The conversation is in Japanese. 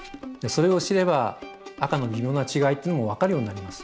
それを知れば赤の微妙な違いっていうのも分かるようになります。